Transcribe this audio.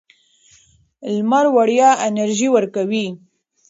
لمر وړیا انرژي ورکوي.